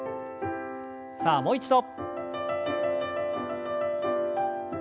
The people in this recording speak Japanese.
さあもう一度。